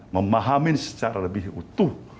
memahamin secara lebih utuh